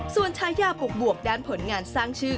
ส่วนชายาปกบวกด้านผลงานสร้างชื่อ